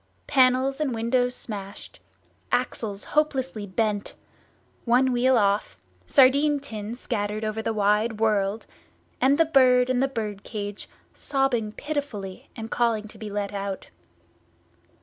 Panels and windows smashed, axles hopelessly bent, one wheel off, sardine tins scattered over the wide world, and the bird in the bird cage sobbing pitifully and calling to be let out.